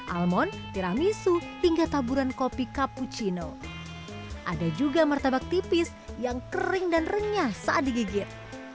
almon tiramisu hingga taburan kopi cappuccino ada juga martabak tipis yang kering dan renyah saat digigit